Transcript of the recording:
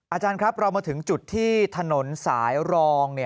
อาจารย์ครับเรามาถึงจุดที่ถนนสายรอง